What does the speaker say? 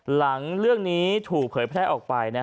หลังเรื่องนี้ถูกเผยแพร่ออกไป